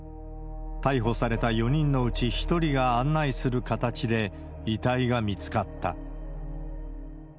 逮捕された４人のうち１人が案内する形で、遺体が見つかった。